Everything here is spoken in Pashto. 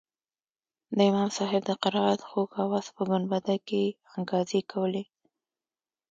د امام صاحب د قرائت خوږ اواز په ګنبده کښې انګازې کولې.